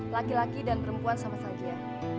laki laki dan perempuan sama saja